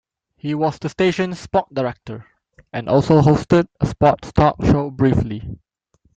He was the station's sports director and also hosted a sports talk show briefly.